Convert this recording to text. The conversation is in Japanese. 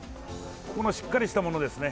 ここのしっかりしたものですね。